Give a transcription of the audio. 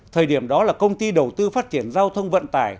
thời điểm đó là công ty đầu tư phát triển giao thông vận tải